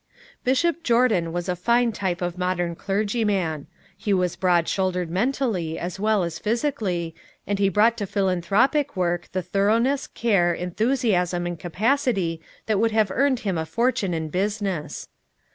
Bishop Jordan was a fine type of modern clergyman. He was broad shouldered mentally as well as physically, and he brought to philanthropic work the thoroughness, care, enthusiasm and capacity that would have earned him a fortune in business.